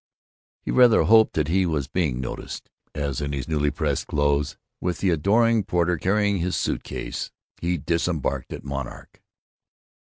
He rather hoped that he was being noticed as, in his newly pressed clothes, with the adoring porter carrying his suit case, he disembarked at Monarch.